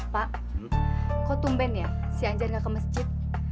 pak kok tumben ya si anjar gak ke masjid